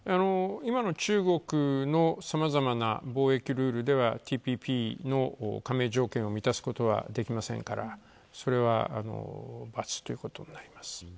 今の中国のさまざまな貿易ルールではＴＰＰの加盟条件を満たすことはできませんからそれは、×ということになります。